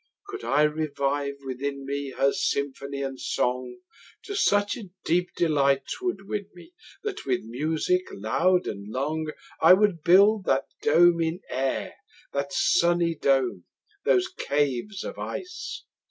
Could I revive within me, Her symphony and song, To such a deep delight 'twould win me, That with music loud and long, 45 I would build that dome in air, That sunny dome! those caves of ice!